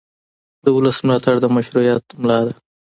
د ولس ملاتړ د مشروعیت ملا ده